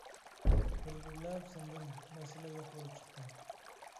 بىر بىرلەپ سىنىدىم، مەسىلە يوق بولۇپ چىقتى.